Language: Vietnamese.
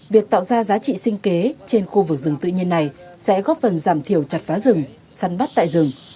việc tạo ra giá trị sinh kế trên khu vực rừng tự nhiên này sẽ góp phần giảm thiểu chặt phá rừng săn bắt tại rừng